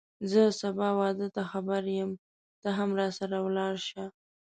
زه سبا واده ته خبر یم ته هم راسره ولاړ شه